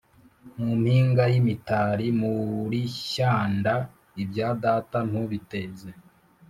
mu mpinga y’imitari muri shyanda, ibya data ntubiteze